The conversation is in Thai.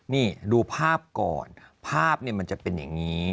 นี่ดูภาพก่อนภาพมันจะเป็นอย่างนี้